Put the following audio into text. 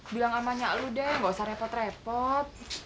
bilang sama nyak lu deh nggak usah repot repot